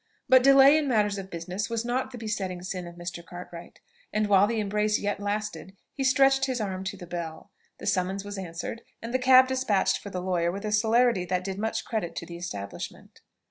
But delay in matters of business was not the besetting sin of Mr. Cartwright; and while the embrace yet lasted, he stretched his arm to the bell. The summons was answered, and the cab despatched for the lawyer with a celerity that did much credit to the establishment.